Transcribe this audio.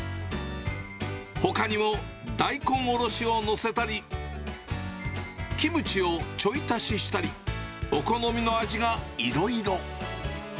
ほかにも大根おろしを載せたり、キムチをちょい足ししたり、お好みの味がいろいろ。